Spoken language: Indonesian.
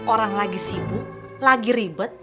orang lagi sibuk lagi ribet